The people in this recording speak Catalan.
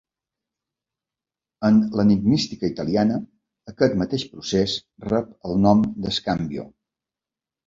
En l'enigmística italiana, aquest mateix procés rep el nom d'scambio.